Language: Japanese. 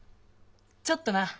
ちょっとな。